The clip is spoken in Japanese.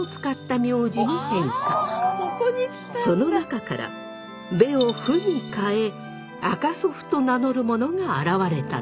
その中から部を「父」に変え赤祖父と名乗る者が現れたのです。